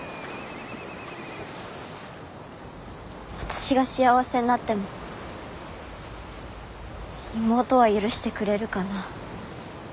あたしが幸せになっても妹は許してくれるかな？